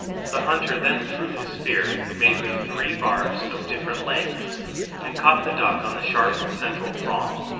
The hunter then threw his spear, made with three barbs of different lengths, and caught the duck on the sharp central prong.